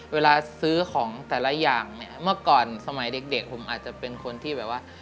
เวลาซื้อของแต่ละอย่างเนี่ยเมื่อก่อนสมัยเด็กผมอาจจะเป็นคนที่แบบว่า